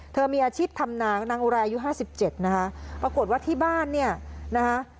เธอมีอาชิตธรรมนางนางอุไรยูห้าสิบเจ็ดนะคะปรากฏว่าที่บ้านเนี่ยนะคะ